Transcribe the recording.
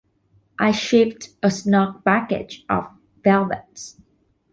I shipped a snug package of velvets.